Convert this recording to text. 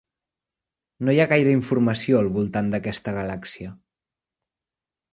No hi ha gaire informació al voltant d'aquesta galàxia.